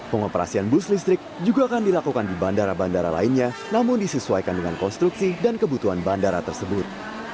pengoperasian bus listrik juga akan dilakukan di bandara bandara lainnya namun disesuaikan dengan konstruksi dan kebutuhan bandara tersebut